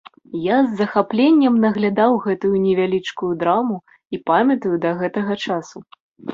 Я з захапленнем наглядаў гэтую невялічкую драму і памятаю да гэтага часу.